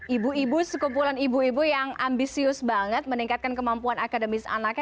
ibu ibu sekumpulan ibu ibu yang ambisius banget meningkatkan kemampuan akademis anaknya